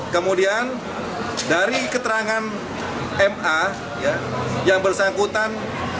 kemudian dari keterangan ma yang bersangkutan